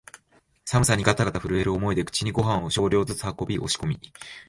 寒さにがたがた震える思いで口にごはんを少量ずつ運び、押し込み、